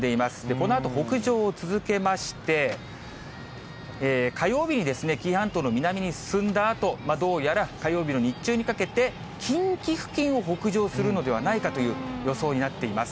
このあと北上を続けまして、火曜日に紀伊半島の南に進んだあと、どうやら火曜日の日中にかけて、近畿付近を北上するのではないかという予想になっています。